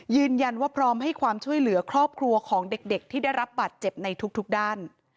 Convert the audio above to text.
พร้อมให้ความช่วยเหลือครอบครัวของเด็กที่ได้รับบาดเจ็บในทุกด้าน